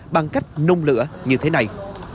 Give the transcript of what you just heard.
bằng cách nung lửa như thế này